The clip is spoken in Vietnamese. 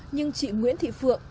nhưng chị nguyễn thị phượng